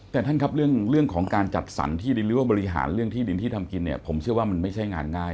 แต่ท่านครับเรื่องของการจัดสรรที่ดินหรือว่าบริหารเรื่องที่ดินที่ทำกินเนี่ยผมเชื่อว่ามันไม่ใช่งานง่าย